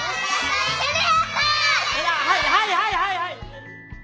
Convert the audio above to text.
はいはいはいはいはいえっ